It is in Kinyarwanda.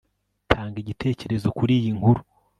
tanga igitekerezo kuri iyi nkuru